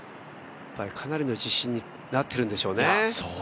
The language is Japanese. かなりの自信になってるんでしょうね。